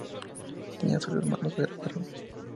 Tenía solo hermanos varones.